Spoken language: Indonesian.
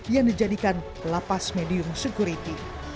yang dijadikan lapas medium security